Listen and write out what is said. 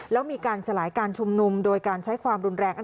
แล้วมีการสลายการชุมนุมโดยการใช้ความรุนแรง